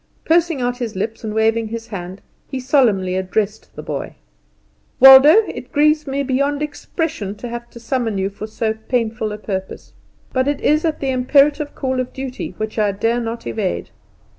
Pursing out his lips, and waving his hand, he solemnly addressed the boy. "Waldo, it grieves me beyond expression to have to summon you for so painful a purpose; but it is at the imperative call of duty, which I dare not evade.